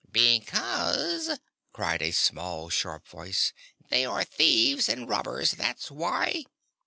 "Because," cried a small, sharp voice, "they are thieves and robbers. That's why!"